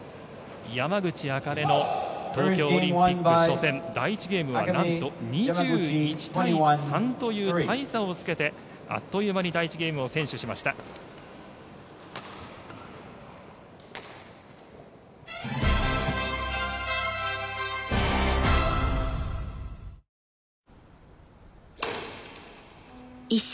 山口茜の東京オリンピック初戦第１ゲームはなんと、２１対３という大差をつけて第１ゲーム、２１対３と大差をつけて先取をしました。